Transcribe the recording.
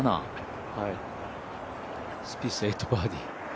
スピース、８バーディー。